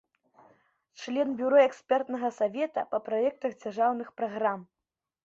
Член бюро экспертнага савета па праектах дзяржаўных праграм.